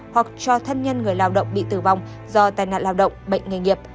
hoặc cho thân nhân người lao động bị tử vong do tai nạn lao động bệnh nghề nghiệp